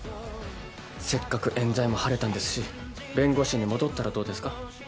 せっかくえん罪も晴れたんですし弁護士に戻ったらどうですか？